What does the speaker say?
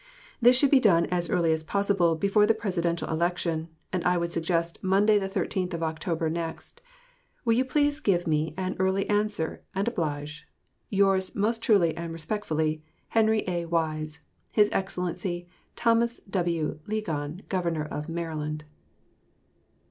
This should be done as early as possible before the Presidential election, and I would suggest Monday, the 13th of October next. Will you please give me an early answer, and oblige, Yours most truly and respectfully, HENRY A. WISE. His Excellency Thomas W. Ligon, Governor of Maryland.